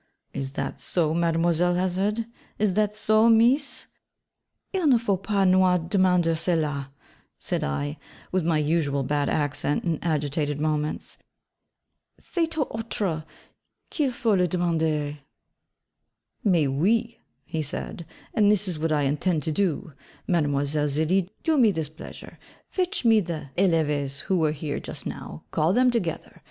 'Is that so, Mademoiselle Hazard? Is that so, Mees?' 'Il ne faut pas nous demander cela,' said I, with my usual bad accent in agitated moments. 'C'est aux autres qu'il faut le demander.' 'Mais oui,' he said, 'and this is what I intend to do; Mlle. Zélie, do me this pleasure: fetch me the élèves who were here just now: call them together.